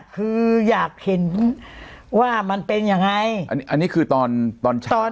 คืออยากเห็นว่ามันเป็นยังไงอันนี้คือตอนตอนเช้า